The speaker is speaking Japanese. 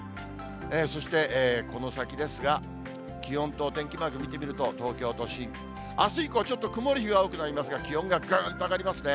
そしてこの先ですが、気温とお天気マーク見てみると、東京都心、あす以降、ちょっと曇る日が多くなりますが、気温がぐーっと上がりますね。